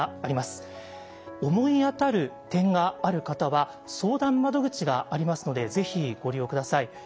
思い当たる点がある方は相談窓口がありますのでぜひご利用下さい。